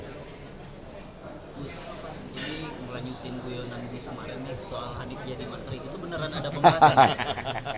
jadi kembaliin tim gue nanti sama reni soal hanif jadi materi itu beneran ada pembahasan